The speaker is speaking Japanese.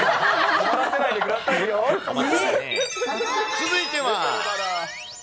続いては。